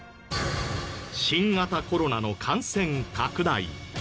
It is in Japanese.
新型コロナの感染拡大。